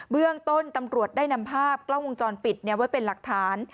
เรื่องต้นตำรวจได้นำภาพกล้องวงจรปิดไว้เป็นหลักฐาน